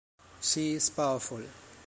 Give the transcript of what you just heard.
She is powerful.